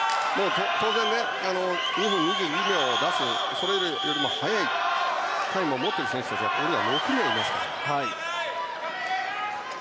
当然、２分２２秒それよりも速いタイムを持っている選手たちが６名いますから。